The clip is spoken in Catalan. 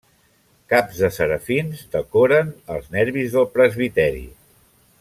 Caps de serafins decoren els nervis del presbiteri.